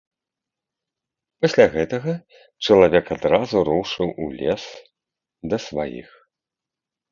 Пасля гэтага чалавек адразу рушыў у лес да сваіх.